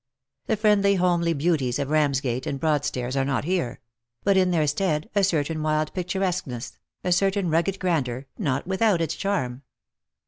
The friendly homely beauties of Ramsgate and Broad stairs are not here ; but in their stead a certain wild pictur esqueness, a certain rugged grandeur, not without its charm